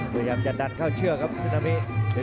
พยายามจะดันเข้าเชือกครับซึนามิ